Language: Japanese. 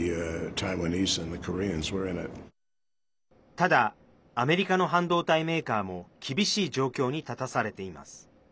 ただ、アメリカの半導体メーカーも厳しい状況に立たされています。